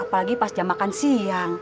apalagi pas jam makan siang